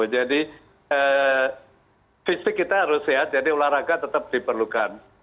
jadi fisik kita harus sehat jadi olahraga tetap diperlukan